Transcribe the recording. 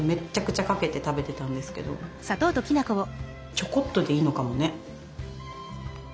ちょこっとでいいのかもね。